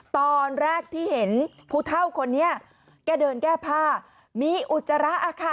ตอนแรกที่เห็นผู้เท่าคนนี้แกเดินแก้ผ้ามีอุจจาระค่ะ